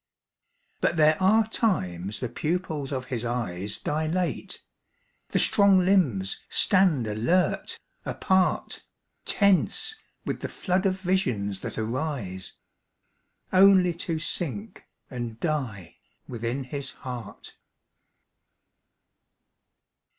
But there are times the pupils of his eyes Dilate, the strong limbs stand alert, apart, Tense with the flood of visions that arise Only to sink and die within his heart.